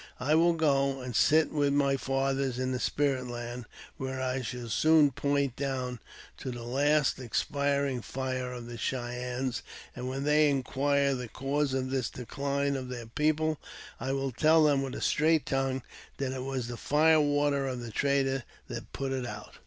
I will go and sit with my fathers in the spirit land, where I shall soon point down to the last expiring fire of the Cheyennes, and when they inquire the cause of this decline of their people, I will tell them with a straight tongue that it was the fire water of the trader that put it out."